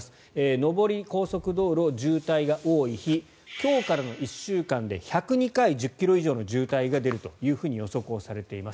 上り、高速道路渋滞が多い日今日からの１週間で１０２回１０ｋｍ以上の渋滞が出ると予測をされています。